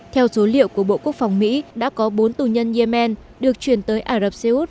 theo số liệu của bộ quốc phòng mỹ đã có bốn tù nhân yemen được chuyển tới ả rập xê út